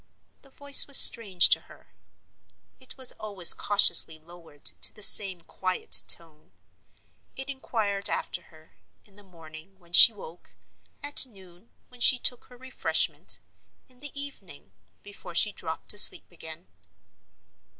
The voice was strange to her; it was always cautiously lowered to the same quiet tone. It inquired after her, in the morning, when she woke—at noon, when she took her refreshment—in the evening, before she dropped asleep again.